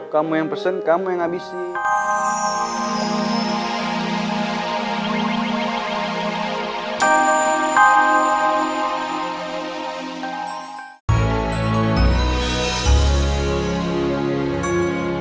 kamu yang pesen kamu yang habisin